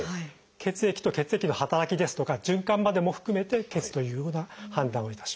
血液と血液の働きとか循環までも含めて「血」というような判断をいたします。